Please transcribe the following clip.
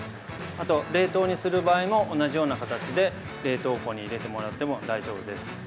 あと、冷凍にする場合も同じような形で冷凍庫に入れてもらっても大丈夫です。